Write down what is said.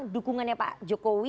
dari pilihan yang diberikan pak jokowi